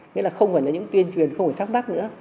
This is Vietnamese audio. nghĩa là không phải là những tuyên truyền không phải thắc mắc nữa